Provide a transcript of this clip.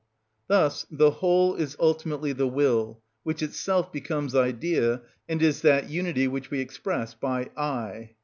Thus the whole is ultimately the will, which itself becomes idea, and is that unity which we express by I.